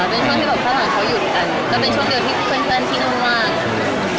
เป็นช่วงเดียวที่เพื่อนที่ร่วมมาก